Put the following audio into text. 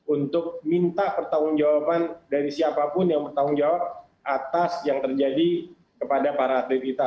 untuk minta pertanggung jawaban dari siapapun yang bertanggung jawab atas yang terjadi kepada para atlet kita